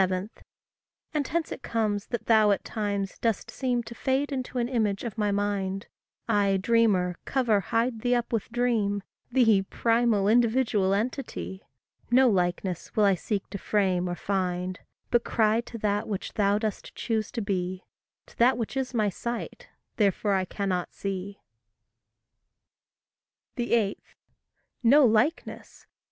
And hence it comes that thou at times dost seem To fade into an image of my mind; I, dreamer, cover, hide thee up with dream, Thee, primal, individual entity! No likeness will I seek to frame or find, But cry to that which thou dost choose to be, To that which is my sight, therefore I cannot see. 8. No likeness?